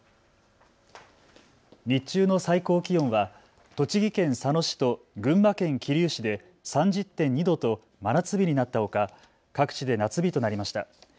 日中の最高気温は栃木県佐野市と群馬県桐生市で３０．２度と真夏日になったほか各地で夏日となりました。